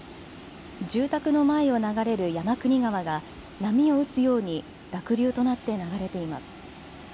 住宅の前を流れる山国川が波を打つように濁流となって流れています。